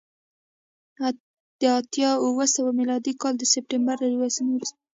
د اتیا اوه سوه میلادي کال د سپټمبر له یوولسمې وروسته